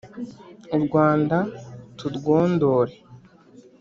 U Rwanda turwondore